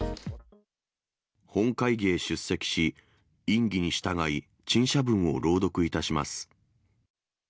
本会議へ出席し、院議に従い、陳謝文を朗読いたします。